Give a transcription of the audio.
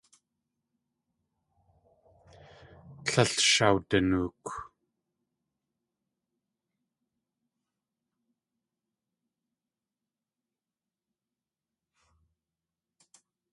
Tlél shawdanook.